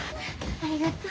ありがとう。